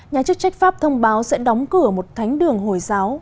nhà chức trách pháp thông báo sẽ đóng cửa một thánh đường hồi giáo